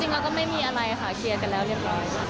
เราก็ไม่มีอะไรค่ะเคลียร์กันแล้วเรียบร้อยค่ะ